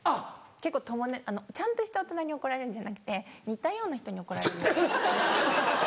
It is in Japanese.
結構ちゃんとした大人に怒られるんじゃなくて似たような人に怒られるので。